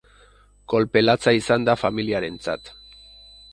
Kolpe latza izan da familiarentzat.